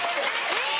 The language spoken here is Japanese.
えっ！